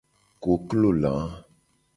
Koklo la.